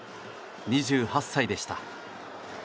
２８歳でした。